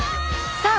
さあ